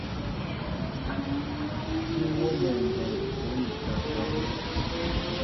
Sí wónɛ mbey bónikɛ ŋgwɔndə́.